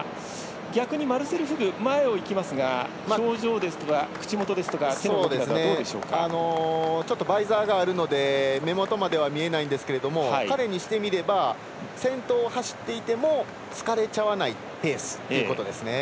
逆にマルセル・フグ前を行きますが表情ですとかバイザーがあるので目元までは見えないんですけど彼にしてみれば先頭を走っていても疲れちゃわないペースということですね。